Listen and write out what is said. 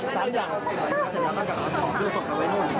สามอย่าง